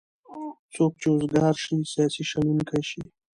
څوک چې اوزګار شی سیاسي شنوونکی شي.